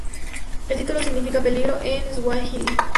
El título significa "peligro" en swahili.